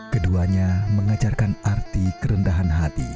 keduanya mengajarkan arti kerendahan hati